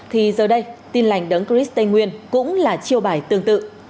thì giờ đây tin lành đấng chris tây nguyên cũng là chiêu bài tương tự